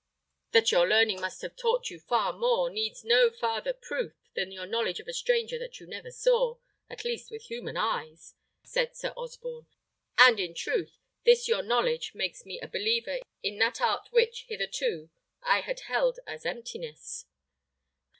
"That your learning must have taught you far more, needs no farther proof than your knowledge of a stranger that you never saw, at least with human eyes," said Sir Osborne; "and in truth, this your knowledge makes me a believer in that art which, hitherto, I had held as emptiness."